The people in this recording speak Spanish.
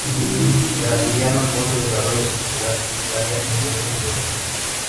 Graciliano Afonso desarrolla su actividad literaria en diversas vertientes.